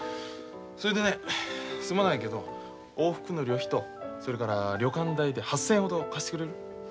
それでねすまないけど往復の旅費とそれから旅館代で８千円ほど貸してくれる？